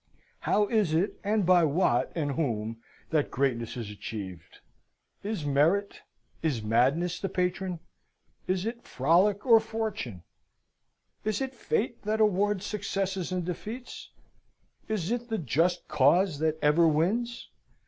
How is it, and by what, and whom, that Greatness is achieved? Is Merit is Madness the patron? Is it Frolic or Fortune? Is it Fate that awards successes and defeats? Is it the Just Cause that ever wins?